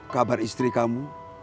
kabar istri kamu